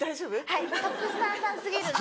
はいトップスターさん過ぎるので。